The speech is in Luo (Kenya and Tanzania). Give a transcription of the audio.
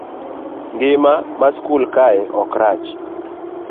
ngima ma e skul kae ok rach